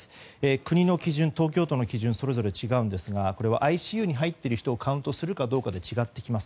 国の基準、東京都の基準はそれぞれ違うんですがこれはＩＣＵに入っている人をカウントするかどうかで違ってきます。